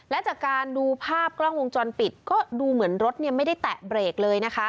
และจากการดูภาพกล้องวงจรปิดก็ดูเหมือนรถไม่ได้แตะเบรกเลยนะคะ